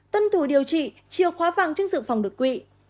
tân thủ điều trị chiều khóa vàng chứng dự phòng đột quỷ